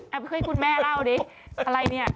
ให้คุณแม่เล่าดิอะไรเนี่ย